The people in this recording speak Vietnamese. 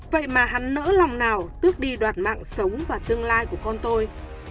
vậy mà hắn nỡ lòng nào tước đi đoạt mạng sống và tương lai của con tôi